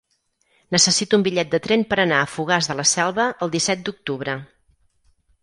Necessito un bitllet de tren per anar a Fogars de la Selva el disset d'octubre.